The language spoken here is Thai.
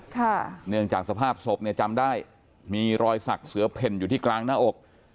เนื่องจากสภาพศพเนี่ยจำได้มีรอยสักเสือเพ่นอยู่ที่กลางหน้าอก